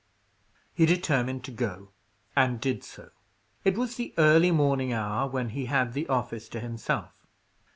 He determined to go, and did so. It was the early morning hour, when he had the office to himself.